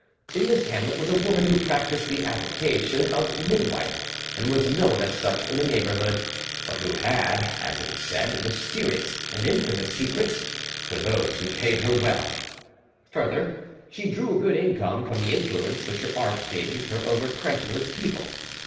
In this hamlet was a woman who practised the avocation of midwife, and was known as such in the neighbourhood, but who had, it was said, mysterious and infamous secrets for those who paid her well. Further, she drew a good income from the influence which her art gave her over credulous people.